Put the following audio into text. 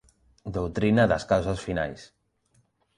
Doutrina das causas finais.